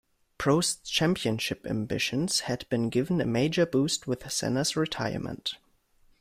Prost's championship ambitions had been given a major boost with Senna's retirement.